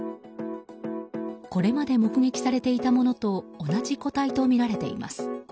これまで目撃されていたものと同じ個体とみられています。